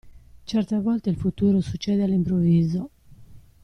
Certe volte il futuro succede all'improvviso.